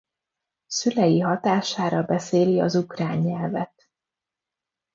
Szülei hatására beszéli az ukrán nyelvet.